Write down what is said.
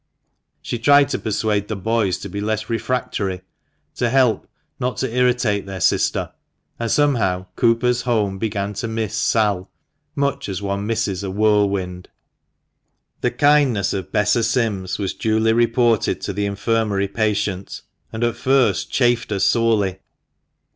She tried to persuade the boys to be less refractory — to help, not to irritate, their sister; and somehow Cooper's home began to miss Sail, much as one misses a whirlwind. The kindness of Bess o' Sim's was duly reported to the Infirmary patient, and at first chafed her sorely.